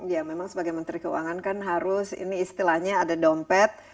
ya memang sebagai menteri keuangan kan harus ini istilahnya ada dompet